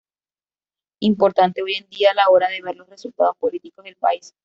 Importante hoy en día a la hora de ver los resultados políticos del país.